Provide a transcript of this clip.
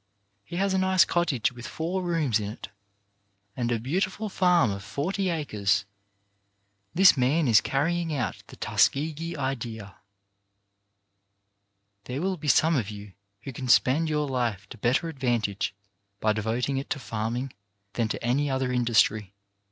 He has a nice cottage with four rooms in it, and a beautiful farm of forty acres. This man is carrying out the "Tuskegee idea." There will be some of you who can spend your life to better advantage by devoting it to farming than to any other industry.